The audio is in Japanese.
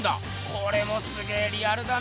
これもすげえリアルだな。